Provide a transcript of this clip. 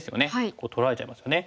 こう取られちゃいますよね。